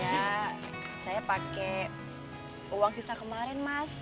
ya saya pakai uang kisah kemarin mas